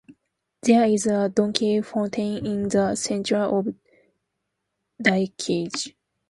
There is a donkey fountain in the centre of Diekirch.